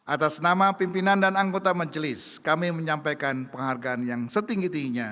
atas nama pimpinan dan anggota majelis kami menyampaikan penghargaan yang setinggi tingginya